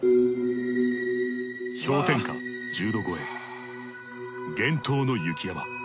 氷点下１０℃超え厳冬の雪山。